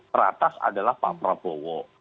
teratas adalah pak prabowo